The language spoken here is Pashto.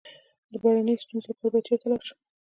د بیړنیو ستونزو لپاره باید چیرته لاړ شم؟